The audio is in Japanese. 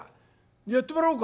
やってもらおうか」。